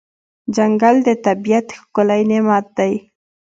ځنګل د طبیعت ښکلی نعمت دی.